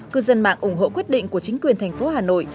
cư dân mạng ủng hộ quyết định của chính quyền thành phố hà nội